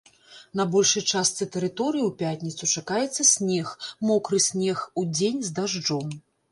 На большай частцы тэрыторыі ў пятніцу чакаецца снег, мокры снег, удзень з дажджом.